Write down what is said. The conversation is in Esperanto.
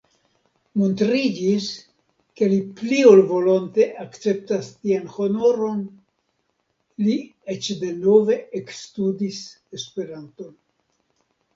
Montriĝis ke li pli ol volonte akceptas tian honoron: li eĉ denove ekstudis Esperanton.